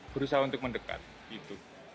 berusaha untuk mendekat